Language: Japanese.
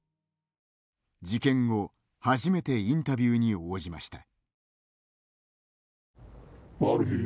事件後、初めてインタビューに応じました。